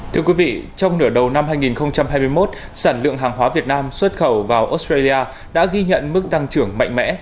thưa quý vị trong nửa đầu năm hai nghìn hai mươi một sản lượng hàng hóa việt nam xuất khẩu vào australia đã ghi nhận mức tăng trưởng mạnh mẽ